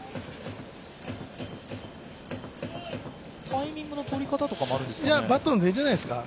タイミングの取り方とかもあるんですか？